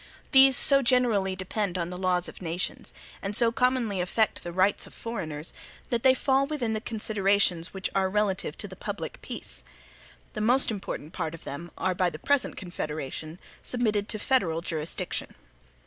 These so generally depend on the laws of nations, and so commonly affect the rights of foreigners, that they fall within the considerations which are relative to the public peace. The most important part of them are, by the present Confederation, submitted to federal jurisdiction.